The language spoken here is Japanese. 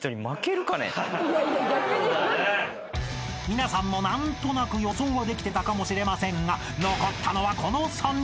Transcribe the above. ［皆さんも何となく予想はできてたかもしれませんが残ったのはこの３人］